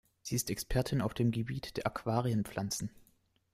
Sie ist Expertin auf dem Gebiet der Aquarienpflanzen.